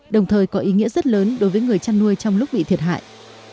đồng thời có ý nghĩa rất lớn đối với người chăn nuôi trong lúc bị thiệt hại